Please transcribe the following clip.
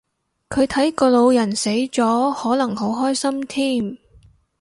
佢睇個老人死咗可能好開心添